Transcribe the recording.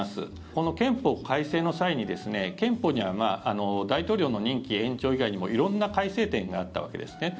この憲法改正の際に、憲法には大統領の任期延長以外にも色んな改正点があったわけですね。